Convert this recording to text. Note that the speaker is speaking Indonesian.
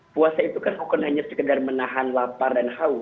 puasa itu kan bukan hanya sekedar menahan lapar dan haus